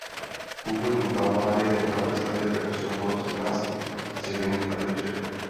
Původní Kalvárii nechal vystavět jako soubor čtrnácti dřevěných kapliček.